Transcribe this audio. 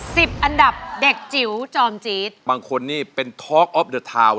สิบอันดับเด็กจิ๋วจอมจี๊ดบางคนนี่เป็นเลยนะครับ